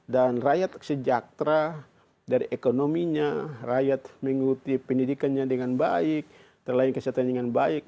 dan rakyat sejak terakhir dari ekonominya rakyat mengikuti pendidikannya dengan baik terlayang kesehatan dengan baik